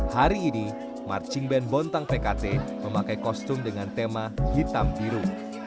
hari ini marching band bontang pkt memakai kostum dengan tema hitam biru